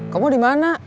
kamu di mana